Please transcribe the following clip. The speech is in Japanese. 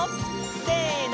せの！